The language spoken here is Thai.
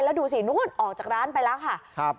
แล้วดูสินู้นออกจากร้านไปแล้วค่ะครับ